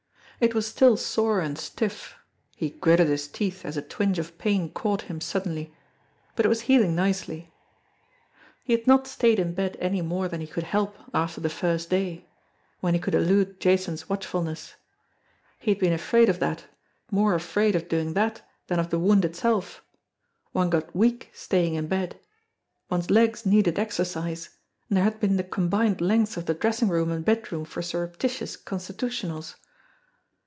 It was still sore and stiff he gritted his teeth as a twinge of pain caught him suddenly but it was healing nicely. 317 218 JIMMIE DALE AND THE PHANTOM CLUE He had not stayed in bed any more than he could help after the first day when he could elude Jason's watchful ness. He had been afraid of that, more afraid of doing that than of the wound itself. One got weak staying in bed. One's legs needed exercise and there had been the com bined lengths of the dressing room and bedroom for surrep titious constitutionals